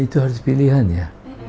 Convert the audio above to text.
itu harus pilihan ya